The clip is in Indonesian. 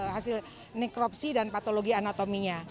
hasil nikropsi dan patologi anatominya